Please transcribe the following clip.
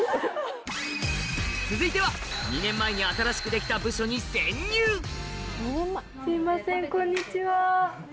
続いては２年前に新しく出来た部署に潜入こんにちは。